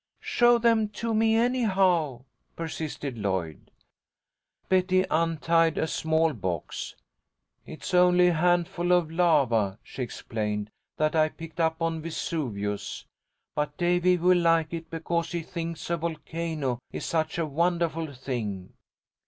"Show them to me, anyhow," persisted Lloyd. Betty untied a small box. "It's only a handful of lava," she explained, "that I picked up on Vesuvius. But Davy will like it because he thinks a volcano is such a wonderful thing.